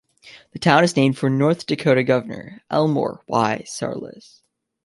The town is named for North Dakota Governor Elmore Y. Sarles.